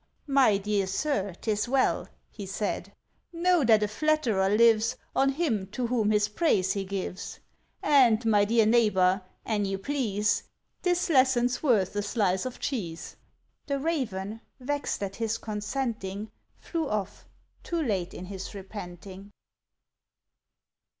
"My dear sir, 'tis well," He said. "Know that a flatterer lives On him to whom his praise he gives; And, my dear neighbour, an' you please, This lesson's worth a slice of cheese." The Raven, vexed at his consenting, Flew off, too late in his repenting.